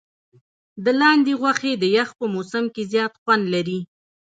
د لاندي غوښي د یخ په موسم کي زیات خوند لري.